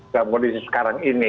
dalam kondisi sekarang ini